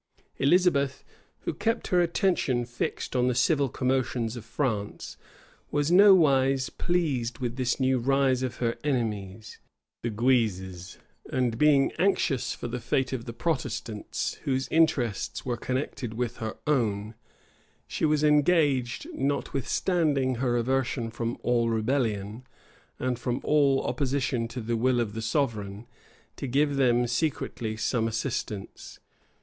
Elizabeth, who kept her attention fixed on the civil commotions of France, was nowise pleased with this new rise of her enemies, the Guises; and being anxious for the fate of the Protestants, whose interests were connected with her own,[*] she was engaged, notwithstanding her aversion from all rebellion, and from all opposition to the will of the sovereign, to give them secretly some assistance.